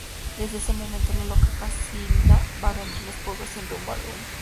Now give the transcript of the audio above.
Desde ese momento, la loca Casilda vaga entre los pueblos sin rumbo alguno.